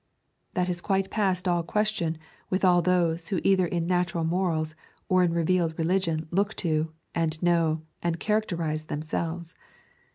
That is quite past all question with all those who either in natural morals or in revealed religion look to and know and characterise themselves.